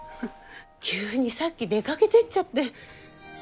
急にさっき出かけてっちゃって。